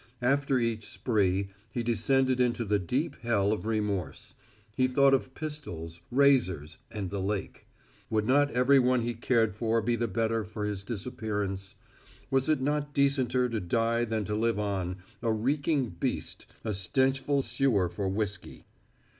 After each spree he descended into the deep hell of remorse. He thought of pistols, razors and the lake. Would not everyone he cared for be the better for his disappearance? Was it not decenter to die than to live on, a reeking beast, a stenchful sewer for whiskey?